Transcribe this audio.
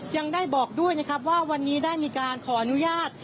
ยังได้บอกด้วยนะครับว่าวันนี้ได้มีการขออนุญาต